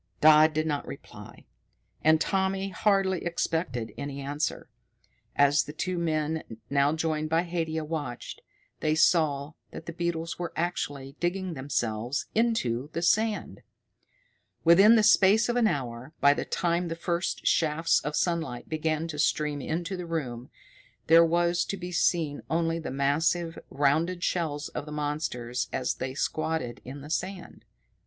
Dodd did not reply, and Tommy hardly expected any answer. As the two men, now joined by Haidia, watched, they saw that the beetles were actually digging themselves into the sand. Within the space of an hour, by the time the first shafts of sunlight began to stream into the room, there was to be seen only the massive, rounded shells of the monsters as they squatted in the sand.